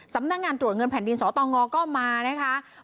สำนักงานตรวจเงินแผ่นดินสตงก็มานะคะ